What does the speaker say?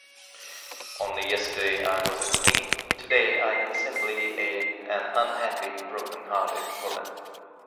Only yesterday I was a queen; today I am simply an unhappy, broken-hearted woman.